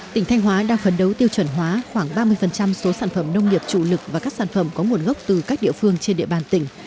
tỉnh thanh hóa đang phấn đấu tiêu chuẩn hóa khoảng ba mươi số sản phẩm nông nghiệp chủ lực và các sản phẩm có nguồn gốc từ các địa phương trên địa bàn tỉnh